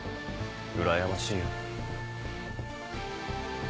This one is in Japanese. うらやましいよ。